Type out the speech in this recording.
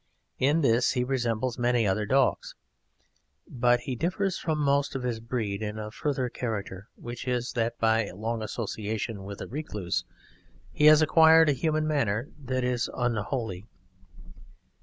In this he resembles many other dogs, but he differs from most of his breed in a further character, which is that by long association with a Recluse he has acquired a human manner that is unholy.